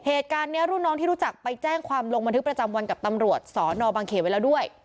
เหตุการณ์นี้รุ่นน้องที่รู้จักไปแจ้งความลงบันทึกประจำวันกับตำรวจสอนอบางเขตไว้แล้วด้วย